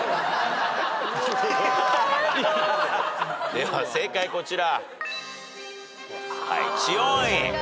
では正解こちら。